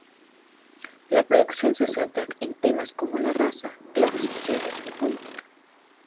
La producción se centra en temas como la raza, clases sociales y política.